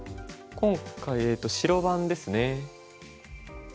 今回白番ですね。